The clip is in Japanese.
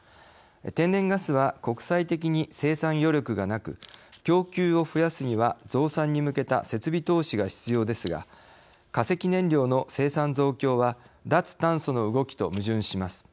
天然ガスは国際的に生産余力がなく供給を増やすには増産に向けた設備投資が必要ですが化石燃料の生産増強は脱炭素の動きと矛盾します。